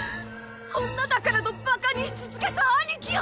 女だからとバカにし続けた兄貴を！